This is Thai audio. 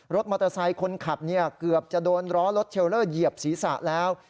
รถมอเตอร์ไซค์คนขับเกือบจะโดนล้อรถเทลเลอร์เหยียบศีรษะแล้ว